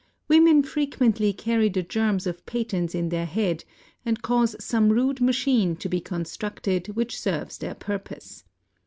"Women frequently carry the germs of patents in their head, and cause some rude machine to he constructed which serves their purpose.